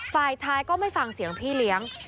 ฝ่ายชายก็ไม่ฟังเสียงพี่เลี้ยง